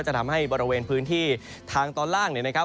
ก็จะทำให้บริเวณพื้นที่ทางตอนล่าง